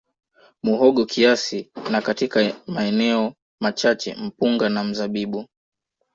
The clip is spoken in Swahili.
Muhogo kiasi na katika maeneo machache mpunga na mzabibu